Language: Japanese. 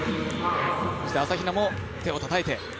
朝比奈も手をたたいて。